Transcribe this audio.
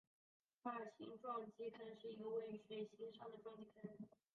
巴兰钦撞击坑是一个位于水星上的撞击坑。